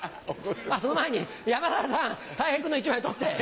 あっその前に山田さんたい平君の１枚取って。